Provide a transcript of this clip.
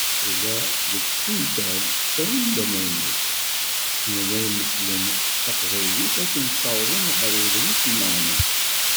Ula deg yisental, ttawin-d amaynut, ssnen ad mmeslen taqbaylit akken ssawḍen ɣer uḍris imeɛnen.